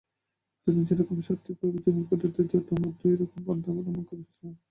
তুমি যেরকম সাত্ত্বিকভাবে জীবন কাটাতে চাও তোমারও তো এইরকম পন্থাই অবলম্বন করা শ্রেয়।